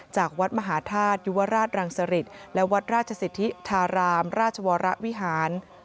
จากวัดมหาธาตุยุวราชรังสริตและวัดราชสิทธิธารามราชวรวิหาร